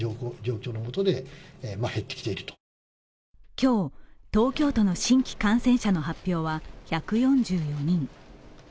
今日、東京都の新規感染者の発表は１４４人。